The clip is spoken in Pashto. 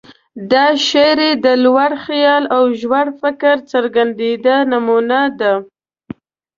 دا شعر یې د لوړ خیال او ژور فکر څرګنده نمونه ده.